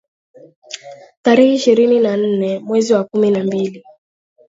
tarehe ishirini na nne mwezi wa kumi na mbili